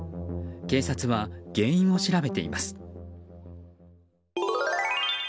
警察は原因を調べています。